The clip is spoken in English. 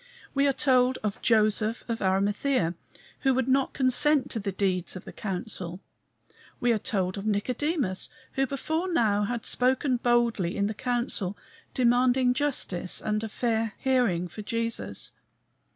We are told of Joseph of Arimathea, who would not consent to the deeds of the council. We are told of Nicodemus, who before now had spoken boldly in the council, demanding justice and a fair hearing for Jesus.